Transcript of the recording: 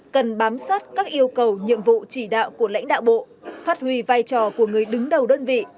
cần bám sát các yêu cầu nhiệm vụ chỉ đạo của lãnh đạo bộ phát huy vai trò của người đứng đầu đơn vị